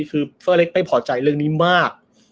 คือเฟอร์เล็กไม่พอใจเรื่องนี้มาก